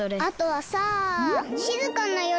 あとはさしずかな